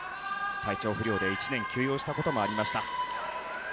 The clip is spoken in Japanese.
体調不良で１年休養したこともありました。